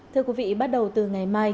thưa quý vị bắt đầu từ ngày mai